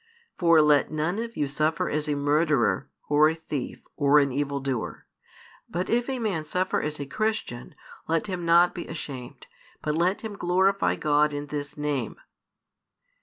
For let none of you suffer as a murderer, or a thief, or an evil doer: but if a man suffer as a Christian let him not be ashamed; but let him glorify God in this Name.